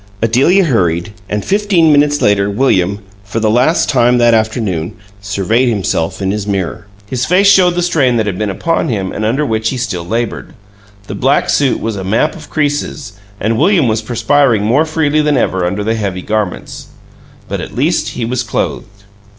Adelia hurried; and, fifteen minutes later, William, for the last time that afternoon, surveyed himself in his mirror. His face showed the strain that had been upon him and under which he still labored; the black suit was a map of creases, and William was perspiring more freely than ever under the heavy garments. But at least he was clothed.